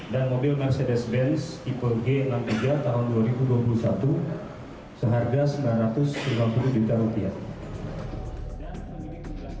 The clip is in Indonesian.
dan mobil mercedes benz epoch g enam puluh tiga tahun dua ribu dua puluh satu seharga sembilan ratus lima puluh juta rupiah